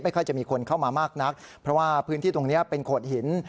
ค่อยจะมีคนเข้ามามากนักเพราะว่าพื้นที่ตรงนี้เป็นโขดหิน